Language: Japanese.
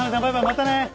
またね。